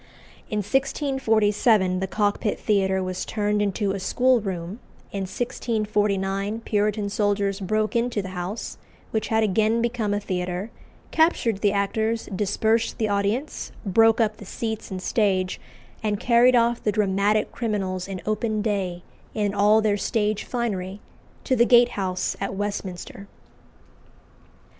In 1647 the Cockpit Theatre was turned into a schoolroom; in 1649 Puritan soldiers broke into the house, which had again become a theatre, captured the actors, dispersed the audience, broke up the seats and stage, and carried off the dramatic criminals in open day, in all their stage finery, to the Gate House at Westminster.